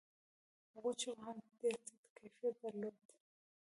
هغو چيغو هم ډېر ټيټ کيفيت درلود.